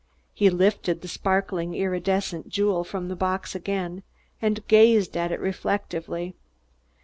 He lifted the sparkling, iridescent jewel from the box again, and gazed at it reflectively.